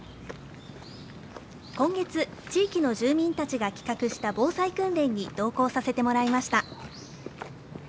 今月、地域の住民たちが企画した防災訓練に同行させてもらいました。